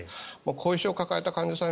後遺症を抱えた患者さん